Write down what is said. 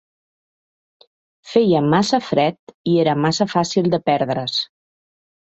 Feia massa fred i era massa fàcil de perdre's